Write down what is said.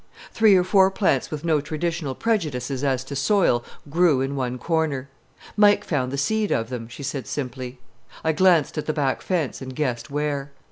Three or four plants with no traditional prejudices as to soil grew in one corner. "Mike found the seed of them," she said simply. I glanced at the back fence and guessed where.